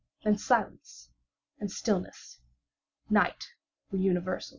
Then silence, and stillness, night were the universe.